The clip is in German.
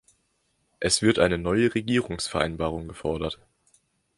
Es wird eine neue Regierungsvereinbarung gefordert.